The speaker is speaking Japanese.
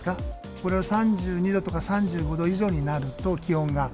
これが３２度とか、３５度以上になると、気温が。